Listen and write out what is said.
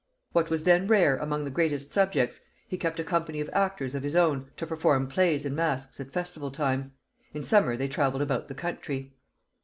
What was then rare among the greatest subjects, he kept a company of actors of his own to perform plays and masques at festival times; in summer they travelled about the country.